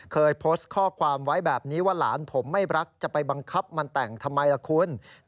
เคยโพสต์ข้อความไว้แบบนี้ว่าหลานผมไม่รักจะไปบังคับมันแต่งทำไมล่ะคุณ